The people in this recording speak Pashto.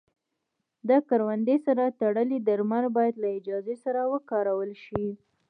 د کروندې سره تړلي درمل باید له اجازې سره وکارول شي.